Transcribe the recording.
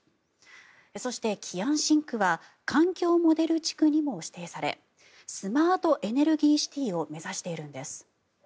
そして、貴安新区は環境モデル地区にも指定されスマートエネルギーシティーを目指しているんです。